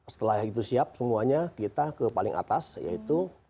setelah itu siap semuanya kita ke paling atas yaitu